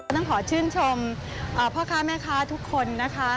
ต้องขอชื่นชมพ่อค้าแม่ค้าทุกคนนะคะ